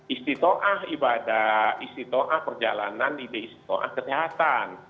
istiqa'ah ibadah istiqa'ah perjalanan ide istiqa'ah kesehatan